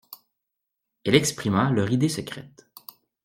Elle exprima leur idée secrète.